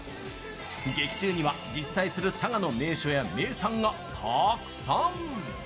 劇中には実在する佐賀の名所や名産が、たくさん！